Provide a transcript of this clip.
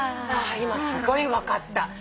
あ今すごい分かった。